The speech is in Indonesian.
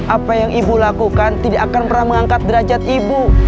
apa yang ibu lakukan tidak akan pernah mengangkat derajat ibu